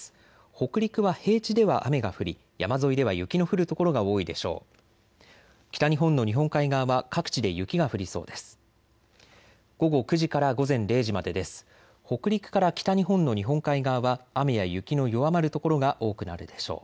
北陸は平地では雨が降り山沿いでは雪の降る所が多いでしょう。